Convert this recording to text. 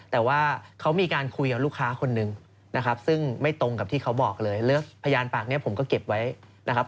แต่ว่าเขามีการคุยกับลูกค้าคนหนึ่งนะครับซึ่งไม่ตรงกับที่เขาบอกเลยเรื่องพยานปากนี้ผมก็เก็บไว้นะครับ